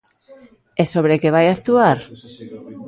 ¿E sobre que vai actuar?